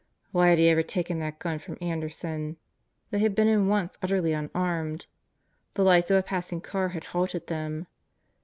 Why had he ever taken that gun from Anderson? They had been in once utterly unarmed. The lights of a passing car had halted them.